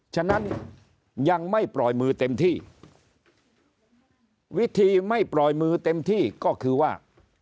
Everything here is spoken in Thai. ฉะนั้นยังไม่ปล่อยมือเต็มที่วิธีไม่ปล่อยมือเต็มที่ก็คือว่า